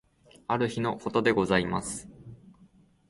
ある日の事でございます。